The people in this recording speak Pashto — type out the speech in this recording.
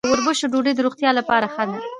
د وربشو ډوډۍ د روغتیا لپاره ښه ده.